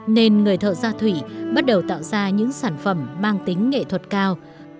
nên người thợ gia thủy bắt đầu tạo ra những sản phẩm mang tính nghệ thuật cao